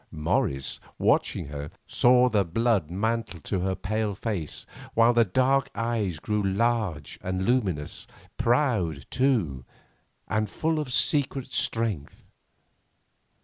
Morris, watching her, saw the blood mantle to her pale face, while the dark eyes grew large and luminous, proud, too, and full of secret strength.